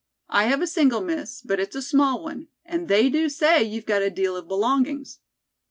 "I have a single, Miss, but it's a small one, and they do say you've got a deal of belongings."